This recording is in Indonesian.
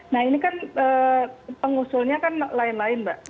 nah ini kan pengusulnya kan lain lain mbak